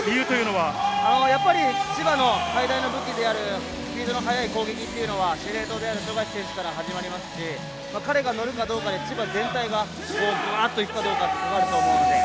千葉の最大の武器であるスピードの速い攻撃は司令塔である富樫選手から始まりますし、彼が乗るかどうかで千葉全体がぶわっと行くかどうか。